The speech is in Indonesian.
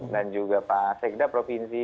dan juga pak sekda provinsi